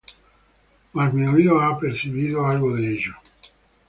Mas mi oído ha percibido algo de ello.